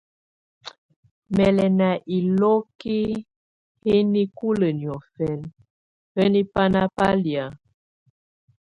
Tù lɛ̀ nà niloko nɛ̀ nikulǝ́ niɔ̀fɛna, hǝ́niǝ banà ba lɛ̀á?